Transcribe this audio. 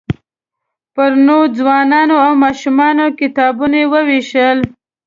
پر نوو ځوانانو او ماشومانو کتابونه ووېشل.